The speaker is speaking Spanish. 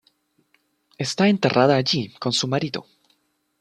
Está enterrada allí con su marido.